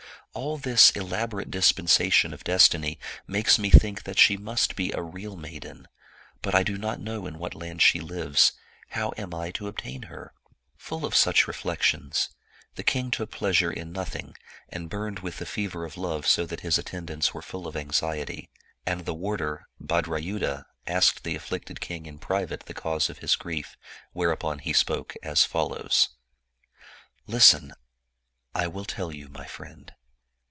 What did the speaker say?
All this elaborate dispensation of destiny makes me think that she must be a real maiden, but I do not know in what land she lives; how am I to obtain her? " Full of such reflections, the king took pleasure in nothing, and burned with the fever of love so that his attendants were full of anxiety. And the warder Bhadra3rudha asked the afflicted king in private the cause of his grief, where upon he spoke as follows: " Listen, I will tell you, my friend.